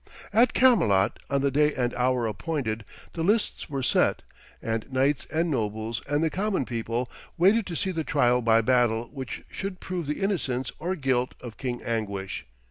At Camelot, on the day and hour appointed, the lists were set, and knights and nobles and the common people waited to see the trial by battle which should prove the innocence or guilt of King Anguish.